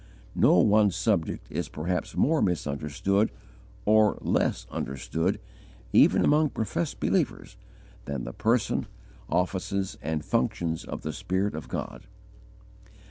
No one subject is perhaps more misunderstood, or less understood, even among professed believers, than the person, offices, and functions of the Spirit of God.